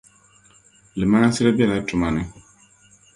Iimaansili bɛla tumani.